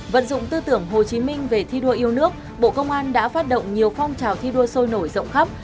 vận dụng tư tưởng hồ chí minh về thi đua yêu nước bộ công an đã phát động nhiều phong trào thi đua sôi nổi rộng khắp